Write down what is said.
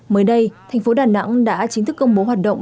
mới đây thành phố đà nẵng đã chính thức công bố hoạt động